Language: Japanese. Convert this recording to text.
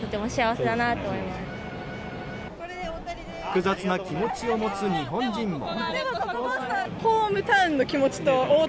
複雑な気持ちを持つ日本人も。